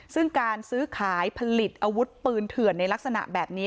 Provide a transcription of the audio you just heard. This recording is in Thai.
ซึ่งการซื้อขายผลิตอาวุธปืนเถื่อนในลักษณะแบบนี้